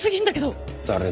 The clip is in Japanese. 誰だ？